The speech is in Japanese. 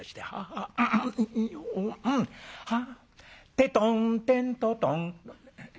「テトンテントトン」